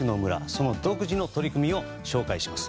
その独自の取り組みを紹介します。